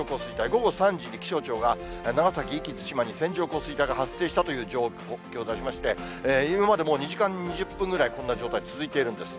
午後３時に気象庁が、長崎・壱岐・対馬に線状降水帯が発生したという情報を出しまして、今まで２時間２０分ぐらい、こんな状態続いているんです。